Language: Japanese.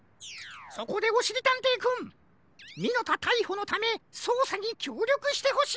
そこでおしりたんていくんミノタたいほのためそうさにきょうりょくしてほしいのじゃ。